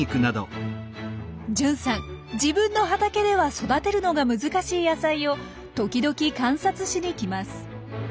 純さん自分の畑では育てるのが難しい野菜を時々観察しに来ます。